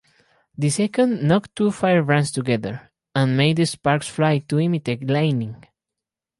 The second knocked two firebrands together and made the sparks fly to imitate lightning.